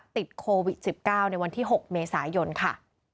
ติดโควิด๑๙ในวันที่๖เมษายนค่ะ